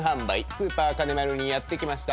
スーパーカネマルにやって来ました。